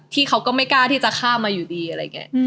เขาก็ไม่กล้าที่จะข้ามมาอยู่ดีอะไรอย่างนี้